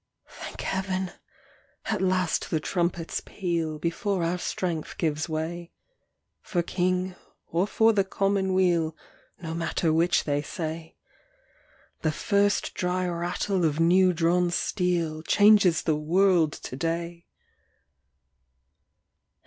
Thank Heaven ! At last the trumpets peal Before our strength gives way. For King or for the Commonweal No matter which they say, The first dry rattle of new drawn steel Changes the world to day